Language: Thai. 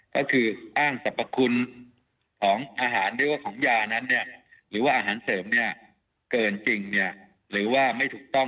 ก็คืออ้างสรรพคุณของอาหารหรือว่าของยานั้นหรือว่าอาหารเสริมเนี่ยเกินจริงหรือว่าไม่ถูกต้อง